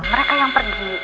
mereka yang pergi